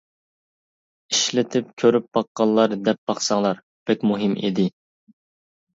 ئىشلىتىپ كۆرۈپ باققانلار دەپ باقساڭلار، بەك مۇھىم ئىدى.